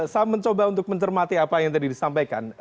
saya mencoba untuk mencermati apa yang tadi disampaikan